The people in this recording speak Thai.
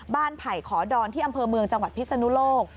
ไผ่ขอดอนที่อำเภอเมืองจังหวัดพิศนุโลก